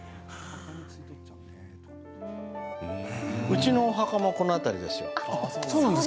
うちのお墓もこの辺りですよ。